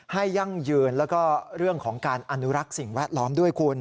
ยั่งยืนแล้วก็เรื่องของการอนุรักษ์สิ่งแวดล้อมด้วยคุณ